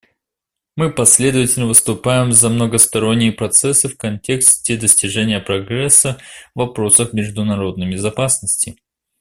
Мы последовательно выступаем за многосторонние процессы в контексте достижения прогресса в вопросах международной безопасности.